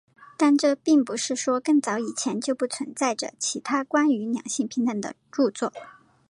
但这并不是说更早以前就不存在着其他关于两性平等的着作。